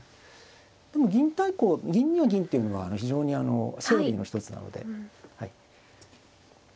でも銀対抗銀には銀っていうのが非常にあのセオリーの一つなので。